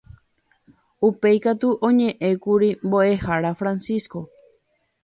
Upéikatu oñe'ẽkuri mbo'ehára Francisco